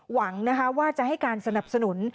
หวังนะคะว่าจะให้การสนับสนุน